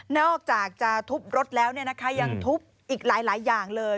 อกจากจะทุบรถแล้วยังทุบอีกหลายอย่างเลย